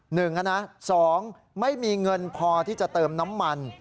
หนึ่งนะสองไม่มีเงินพอที่จะเติมน้ำมัน